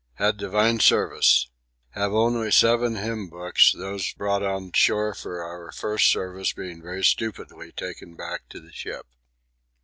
Had Divine Service. Have only seven hymn books, those brought on shore for our first Service being very stupidly taken back to the ship.